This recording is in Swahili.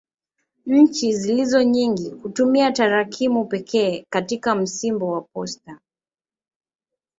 Nchi zilizo nyingi hutumia tarakimu pekee katika msimbo wa posta.